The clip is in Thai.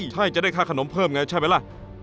ใช่จะได้ค่าขนมเพิ่มไงใช่ไหมล่ะ